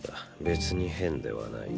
別に変ではない。